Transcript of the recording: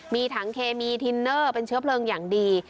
มีถังเคมีทินเนอร์เป็นเชื้อเพลิงอย่างดี